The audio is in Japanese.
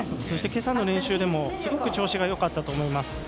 そして、今朝の練習でもすごく調子がよかったと思います。